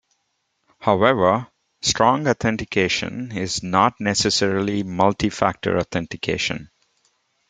However, strong authentication is not necessarily multi-factor authentication.